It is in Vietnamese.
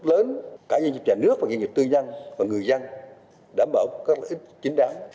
cả doanh nghiệp nhà nước doanh nghiệp tư nhân và người dân đảm bảo các lợi ích chính đáng